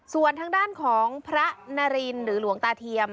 ส่วนทางด้านของพระนารินหรือหลวงตาเทียม